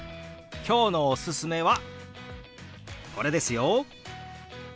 今日のおすすめはこれですよ。